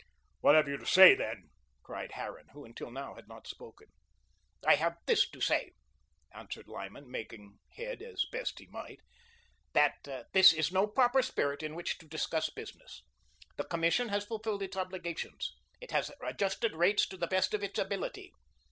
"What have you to say, then?" cried Harran, who, until now, had not spoken. "I have this to say," answered Lyman, making head as best he might, "that this is no proper spirit in which to discuss business. The Commission has fulfilled its obligations. It has adjusted rates to the best of its ability.